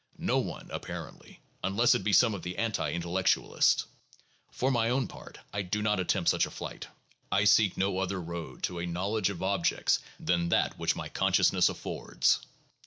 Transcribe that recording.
No one, apparently, unless it be some of the anti intel lectualists. For my own part, I do not attempt such a flight. I seek no other road to a knowledge of objects than that which my consciousness affords.